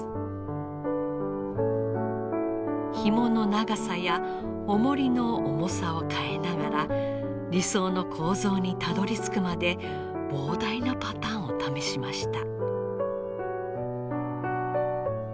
ひもの長さやおもりの重さを変えながら理想の構造にたどりつくまで膨大なパターンを試しました。